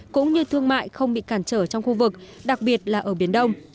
cũng như thương mại không bị cản trở trong khu vực đặc biệt là ở biển đông